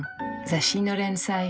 雑誌の連載